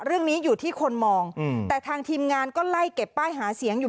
เรื่องนี้อยู่ที่คนมองแต่ทางทีมงานก็ไล่เก็บป้ายหาเสียงอยู่